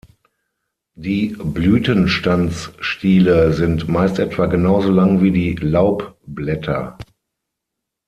Die Blütenstandsstiele sind meist etwa genau so lang wie die Laubblätter.